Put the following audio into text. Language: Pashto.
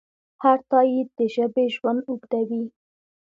هر تایید د ژبې ژوند اوږدوي.